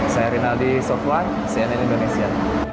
saya rinaldi sofwan cnn indonesia